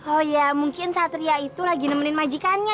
oh ya mungkin satria itu lagi nemenin majikannya